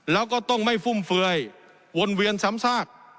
แล้วก็ต้องไม่ฟุ่มเฟือยวนเวียนซ้ำซาก